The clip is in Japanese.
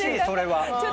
それは。